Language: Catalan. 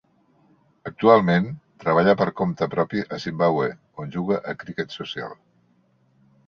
Actualment, treballa per compte propi a Zimbàbue, on juga a criquet social.